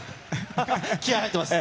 気合い入ってます。